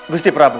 gusti prat bu